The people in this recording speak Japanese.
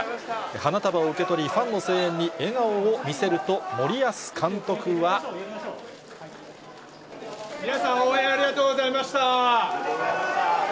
花束を受け取りファンの声援に笑顔を見せると、皆さん、応援ありがとうございました。